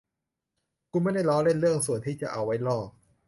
คุณไม่ได้ล้อเล่นเรื่องส่วนที่จะเอาไว้ล่อ